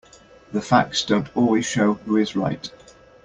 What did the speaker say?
The facts don't always show who is right.